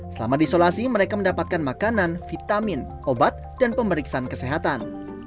selama di isolasi mereka mendapatkan makanan vitamin obat dan pemeriksaan kesehatan